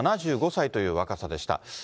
７５歳という若さでした。